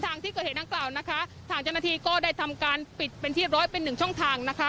ทางที่เกิดเหตุทางกล่าวถังจังหาทีก็ได้ทำการปิดเป็นที่๑๐๐เป็น๑ช่องทาง